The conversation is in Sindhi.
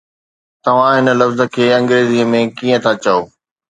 توهان هن لفظ کي انگريزيءَ ۾ ڪيئن ٿا چئو؟